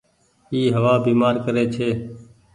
اي هوآ بيمآر ڪري ڇي۔